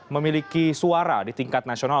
memiliki suara di tingkat nasional